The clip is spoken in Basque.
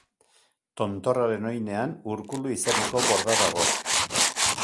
Tontorraren oinean Urkulu izeneko borda dago.